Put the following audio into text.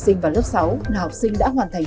học sinh vào lớp sáu là học sinh đã hoàn thành